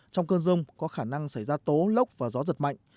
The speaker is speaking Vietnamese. trong cơn rông có khả năng xảy ra tố lốc và gió giật mạnh